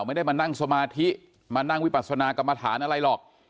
ไม่ได้มานั่งสมาธิมานั่งวิปัสนากรรมฐานอะไรหรอก